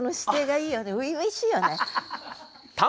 初々しいよね。